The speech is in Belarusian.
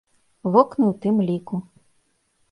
Вокны ў тым ліку.